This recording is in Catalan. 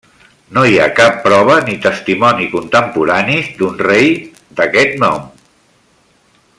No hi ha cap prova ni testimoni contemporanis d'un rei d'aquest nom.